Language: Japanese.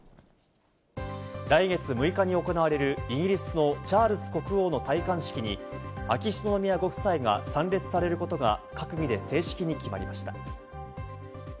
来月６日に行われるイギリスのチャールズ国王の戴冠式に秋篠宮ご夫妻が参列されることが閣議で正式に決まりました。